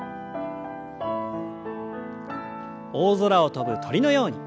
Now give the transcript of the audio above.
大空を飛ぶ鳥のように。